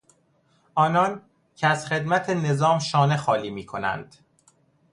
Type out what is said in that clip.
آنان که از خدمت نظام شانه خالی میکنند